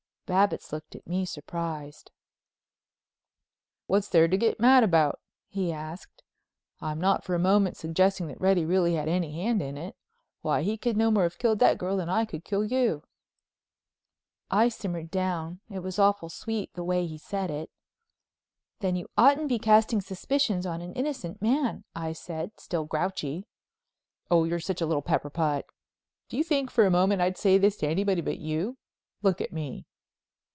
Babbitts looked at me surprised. "What's there to get mad about?" he asked. "I'm not for a moment suggesting that Reddy really had any hand in it. Why, he could no more have killed that girl than I could kill you." I simmered down—it was awful sweet the way he said it. "Then you oughtn't to be casting suspicions on an innocent man," I said, still grouchy. "Oh, you're such a little pepper pot. Do you think for a moment I'd say this to anybody but you. Look at me!"